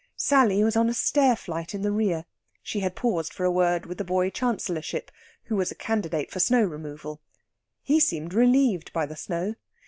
Sally was on a stairflight in the rear. She had paused for a word with the boy Chancellorship, who was a candidate for snow removal. He seemed relieved by the snow.